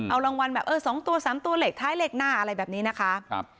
เอารางวัลแบบเออ๒ตัว๓ตัวเลขท้ายเลขหน้าอะไรแบบนี้นะคะ